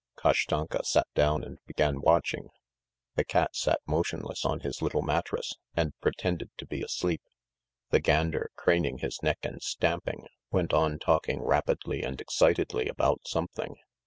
Kashtanka sat down and began watching. The cat sat motionless on his little mattress, and pretended to be asleep. The gander, craning his neck and stamping, went on talking rapidly and excitedly about something.